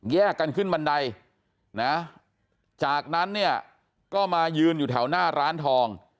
แยกกันขึ้นบันไดนะจากนั้นเนี่ยก็มายืนอยู่แถวหน้าร้านทอง